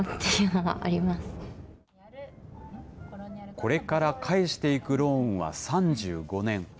これから返していくローンは３５年。